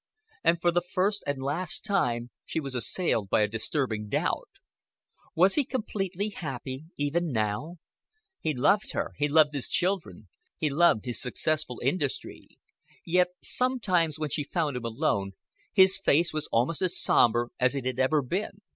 And for the first and last time she was assailed by a disturbing doubt. Was he completely happy even now? He loved her, he loved his children, he loved his successful industry; yet sometimes when she found him alone his face was almost as somber as it had ever been.